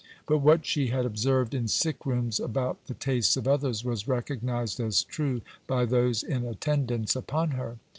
But what she had observed in sickrooms about the tastes of others was recognized as true by those in attendance upon her.